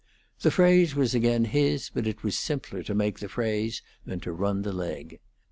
The phrase was again his, but it was simpler to make the phrase than to run the leg.